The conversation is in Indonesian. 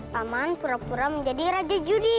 pak man pura pura menjadi raja judi